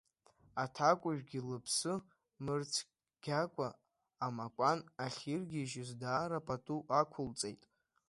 Аҭакәажәгьы, лыԥсы мырцәгьакәа, амакәан ахьиргьежьыз даара пату ақәылҵеит.